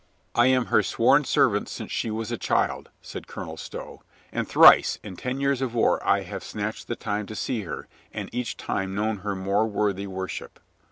"I am her sworn servant since she was a child," said Colonel Stow, "and thrice in ten years of war I have snatched the time to see her, and each time known her more worthy worship.